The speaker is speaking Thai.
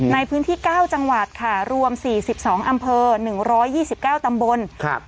ในพื้นที่๙จังหวัดค่ะรวม๔๒อำเภอ๑๒๙ตำบล